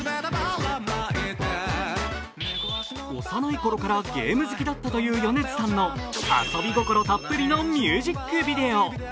幼いころからゲーム好きだったという米津さんの遊び心たっぷりのミュージックビデオ。